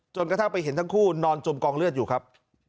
กระทั่งไปเห็นทั้งคู่นอนจมกองเลือดอยู่ครับ